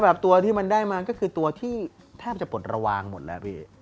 ตัวที่มันได้มาก็คือตัวที่แทบจะปลดระวังหมดแล้วพี่